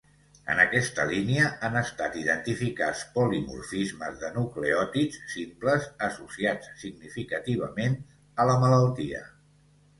En aquesta línia han estat identificats polimorfismes de nucleòtids simples associats significativament a la malaltia.